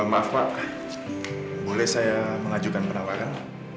maaf pak boleh saya mengajukan penawaran